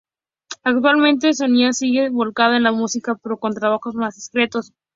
Actualmente Sonia sigue volcada en la música pero con trabajos más discretos.